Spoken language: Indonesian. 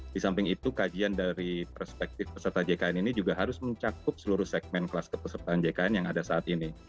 di samping itu kajian dari perspektif peserta jkn ini juga harus mencakup seluruh segmen kelas kepesertaan jkn yang ada saat ini